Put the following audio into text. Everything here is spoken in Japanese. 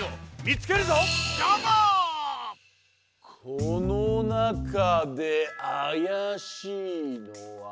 このなかであやしいのは？